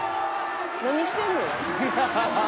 「何してんの？」